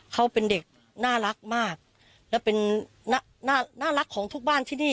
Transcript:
เขาเป็นเด็กน่ารักมากและเป็นน่ารักของทุกบ้านที่นี่